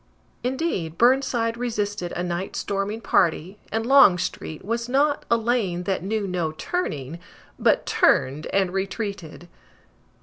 Indeed, Burnside resisted a night storming party, and Longstreet was not "a lane that knew no turning," but turned and retreated!